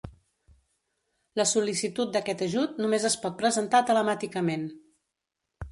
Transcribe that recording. La sol·licitud d'aquest ajut només es pot presentar telemàticament.